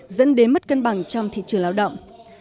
dẫn đến mất cân bằng trong thị trường lao động